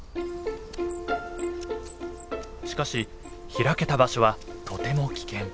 しかし開けた場所はとても危険。